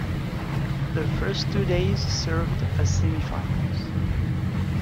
The first two days served as a semi-finals.